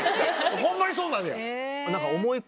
ホンマにそうなんや？